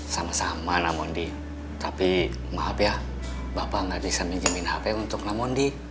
sama sama namondi tapi maaf ya bapak nggak bisa minjemin hp untuk namondi